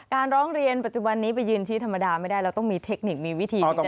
ร้องเรียนปัจจุบันนี้ไปยืนชี้ธรรมดาไม่ได้เราต้องมีเทคนิคมีวิธียังไง